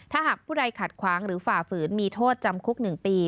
ถ้าหากผู้ใดขัดขวางหรือฝ่าฝืนมีโทษจำคุก๑ปี